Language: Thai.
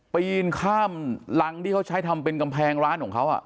ปีนข้ามรังที่เขาใช้ทำเป็นกำแพงร้านของเขา